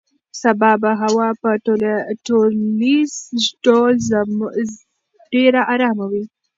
سبا به هوا په ټولیز ډول ډېره ارامه وي.